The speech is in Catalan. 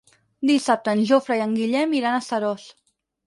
Dissabte en Jofre i en Guillem iran a Seròs.